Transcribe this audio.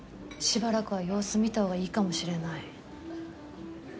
しばらくは様子見たほうがいいかもしれない。